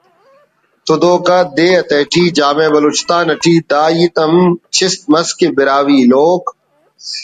تدوک آ دے تیٹی جامعہ بلوچستان اٹی دا ہیت ہم چست مس کہ ”براہوئی لوک